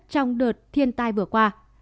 trong đợt thiên tai vừa qua